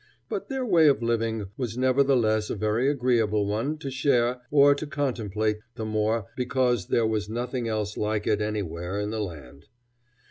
But their way of living was nevertheless a very agreeable one to share or to contemplate, the more because there was nothing else like it anywhere in the land.